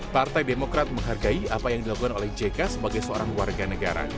partai demokrat menghargai apa yang dilakukan oleh jk sebagai seorang warga negara